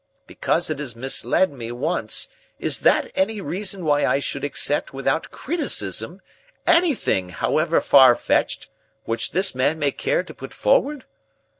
Because it has misled me once, is that any reason why I should accept without criticism anything, however far fetched, which this man may care to put forward?